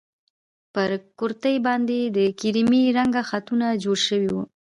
پر کورتۍ باندې يې کيريمي رنګه خطونه جوړ شوي وو.